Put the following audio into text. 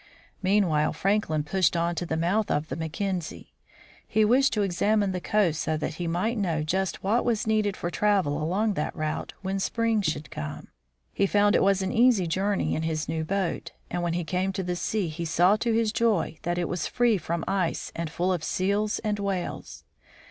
Meanwhile Franklin pushed on to the mouth of the Mac kenzie. He wished to examine the coast so that he might know just what was needed for travel along that route when spring should come. He found it was an easy journey in his new boat, and when he came to the sea he saw to his joy that it was free from ice and full of seals and whales.